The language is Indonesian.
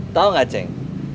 tau gak ceng